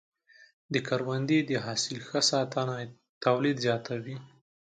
د کروندې د حاصل ښه ساتنه د تولید زیاتوي.